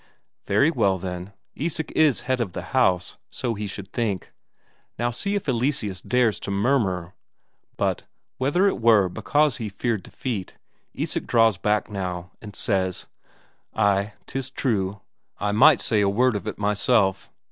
Very well, then, Isak is head of the house, so he should think; now see if Eleseus dares to murmur! But, whether it were because he feared defeat, Isak draws back now, and says: "Ay, 'tis true, I might say a word of it myself.